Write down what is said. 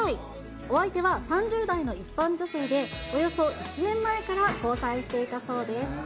お相手は３０代の一般女性で、およそ１年前から交際していたそうです。